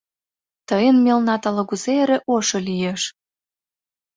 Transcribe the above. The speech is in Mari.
— Тыйын мелнат ала-кузе эре ошо лиеш.